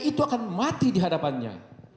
itu akan mati dihadapannya